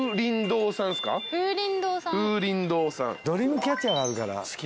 ドリームキャッチャーがあるから好きなんで。